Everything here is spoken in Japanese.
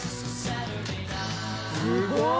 「すごい！」